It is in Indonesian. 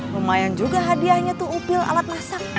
lumayan juga hadiahnya tuh upil alat masak